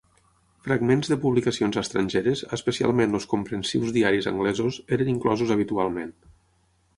Fragments de publicacions estrangeres, especialment els comprensius diaris anglesos, eren inclosos habitualment.